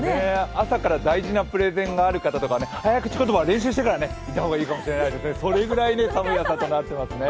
朝から大事なプレゼンがある方とか、早口言葉を練習してから行った方がいいかもしれないですね、それぐらい寒い朝となっています。